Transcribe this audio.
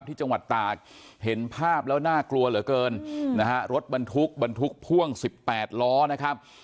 ที่จังหวัดตากเห็นภาพแล้วน่ากลัวเหลือเกินนะฮะรถบรรทุกบรรทุกพ่วง๑๘ล้อนะครับ